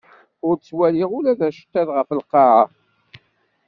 Ur ttwaliɣ ula d aceṭṭiḍ ɣef lqaɛa.